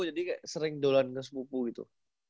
jadi sering dolan sepupu gitu